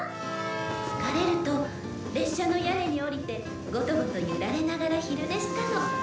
疲れると列車の屋根に下りてゴトゴト揺られながら昼寝したの。